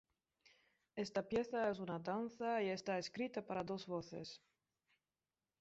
Esta pieza es una danza y está escrita para dos voces.